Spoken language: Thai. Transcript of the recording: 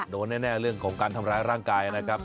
โดนแน่เรื่องของการทำร้ายร่างกายนะครับ